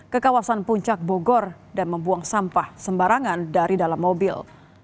ke kawasan puncak bogor dan membuang sampah sembarangan dari dalam mobil